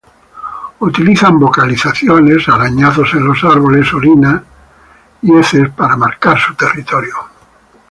Utilizan vocalizaciones, arañazos en los árboles, orina y heces para marcar su territorio.